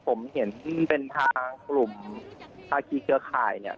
ผมเห็นเป็นทางกลุ่มภาคีเครือข่ายเนี่ย